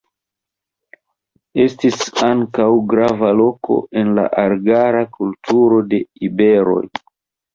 Estis ankaŭ grava loko en la argara kulturo de iberoj.